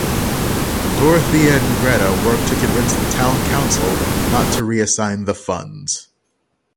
Dorothea and Greta work to convince the town council not to reassign the funds.